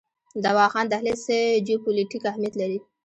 د واخان دهلیز څه جیوپولیټیک اهمیت لري؟